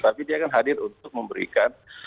tapi dia kan hadir untuk memberikan